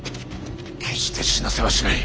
決して死なせはしない。